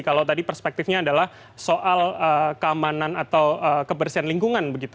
kalau tadi perspektifnya adalah soal keamanan atau kebersihan lingkungan begitu